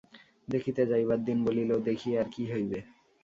দেখিতে যাইবার দিন বলিল, দেখিয়া আর কী হইবে।